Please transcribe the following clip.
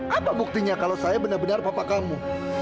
apa buktinya kalau saya benar benar bapak kamu